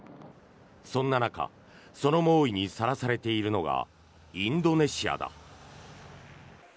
そんな中その猛威にさらされているのがインドネシアだ。